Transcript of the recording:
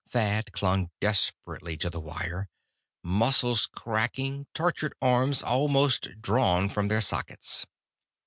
Thad clung desperately to the wire, muscles cracking, tortured arms almost drawn from their sockets.